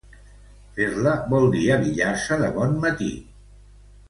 Fer-la vol dir abillar-se de bon matí.